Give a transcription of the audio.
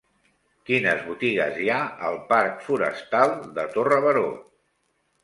Quines botigues hi ha al parc Forestal de Torre Baró?